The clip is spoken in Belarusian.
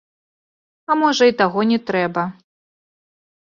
А можа і таго не трэба.